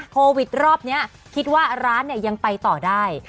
โควิดรอบนี้คิดว่าร้านเนี่ยยังไปต่อได้